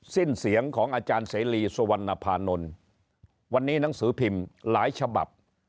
สิ้นเสียงของอาจารย์เสรีสุวรรณภานนท์วันนี้หนังสือพิมพ์หลายฉบับ